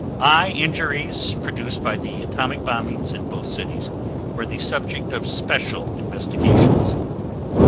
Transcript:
Eye injuries produced by the atomic bombings in both cities were the subject of special investigations.